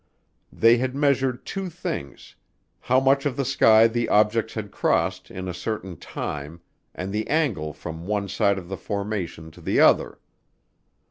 They had measured two things, how much of the sky the objects had crossed in a certain time and the angle from one side of the formation to the other.